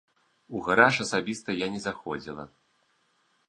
У гараж асабіста я не заходзіла.